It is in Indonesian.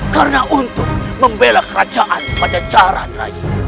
karena untuk membela kerajaan pancaceran rai